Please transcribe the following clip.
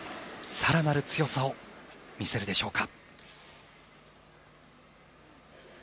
更なる強さを見せるでしょうか。